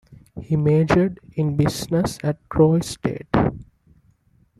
He majored in Business at Troy State.